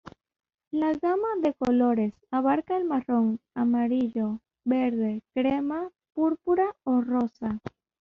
La gama de colores abarca el marrón, amarillo, verde, crema, púrpura o rosa.